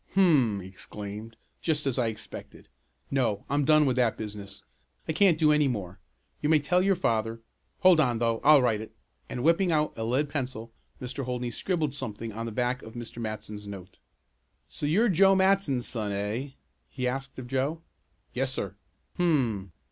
"Hum!" he exclaimed. "Just as I expected. No, I'm done with that business. I can't do any more. You may tell your father hold on, though, I'll write it," and, whipping out a lead pencil Mr. Holdney scribbled something on the back of Mr. Matson's note. "So you're John Matson's son; eh?" he asked of Joe. "Yes, sir." "Hum!